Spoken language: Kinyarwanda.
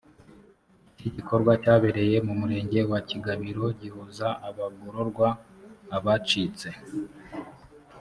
iki gikorwa cyabereye mu murenge wa kigabiro gihuza abagororwa abacitse